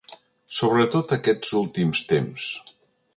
Sobretot aquests últims temps.